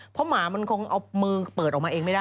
เพราะหมามันคงเอามือเปิดออกมาเองไม่ได้